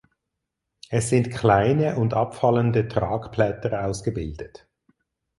Es sind kleine und abfallende Tragblätter ausgebildet.